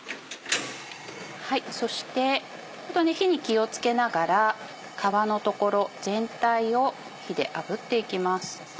そして火に気を付けながら皮の所全体を火であぶっていきます。